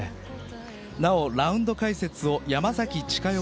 なおラウンド解説を山崎千佳代